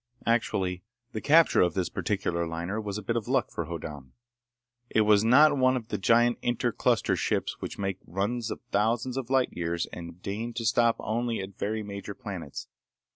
Actually, the capture of this particular liner was a bit of luck, for Hoddan. It was not one of the giant inter cluster ships which make runs of thousands of light years and deign to stop only at very major planets.